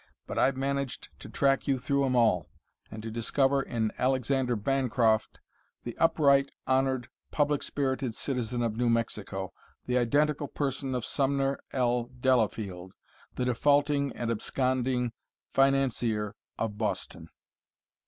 But I've managed to track you through 'em all, and to discover in Alexander Bancroft, the upright, honored, public spirited citizen of New Mexico, the identical person of Sumner L. Delafield, the defaulting and absconding financier of Boston."